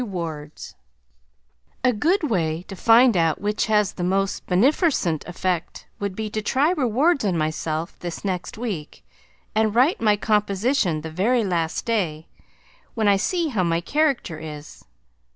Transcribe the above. REWARDS A good way to find out which has the most benefercent effect would be to try rewards on myself this next week and write my composition the very last day, when I see how my character is.